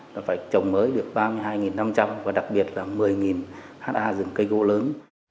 là phải trồng mới được ba mươi hai năm trăm linh và đặc biệt là một mươi ha rừng cây gỗ lớn